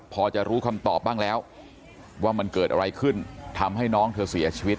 พอจะรู้คำตอบบ้างแล้วว่ามันเกิดอะไรขึ้นทำให้น้องเธอเสียชีวิต